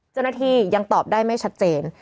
เจ้าหน้าที่ยังตอบได้ไม่ชัดเจน